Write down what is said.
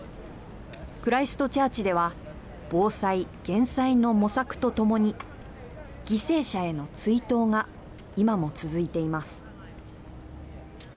クライストチャーチでは防災・減災の模索とともに犠牲者への追悼が今も続いています。